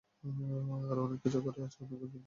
আরও অনেক কিছু করার আছে এবং নতুন অনেক কিছু সামনে আসবে।